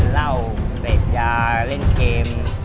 เราเปรดยาเล่นเกม